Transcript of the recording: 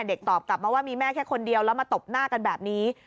ตอบกลับมาว่ามีแม่แค่คนเดียวแล้วมาตบหน้ากันแบบนี้